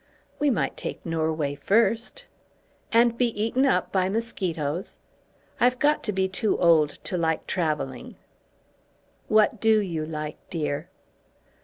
"We might take Norway first." "And be eaten up by mosquitoes! I've got to be too old to like travelling." "What do you like, dear?"